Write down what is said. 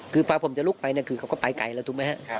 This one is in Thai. คือพอผมจะลุกไปคือเขาก็ไปไกลแล้วถูกไหมครับ